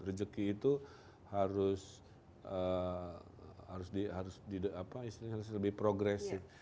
rezeki itu harus lebih progresif